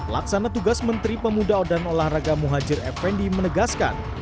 laksana tugas menteri pemuda dan olahraga muhajir effendi menegaskan